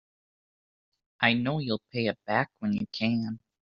I know you'll pay it back when you can.